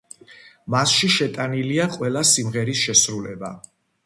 მასში შეტანილია ყველა სიმღერის შესრულება.